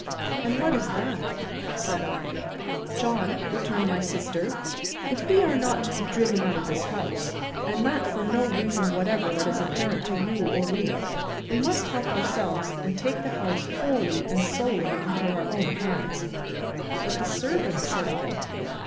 "And what is that?" said I. "John," returned my sister, "if we are not to be driven out of this house, and that for no reason whatever, that is apparent to you or me, we must help ourselves and take the house wholly and solely into our own hands." "But, the servants," said I.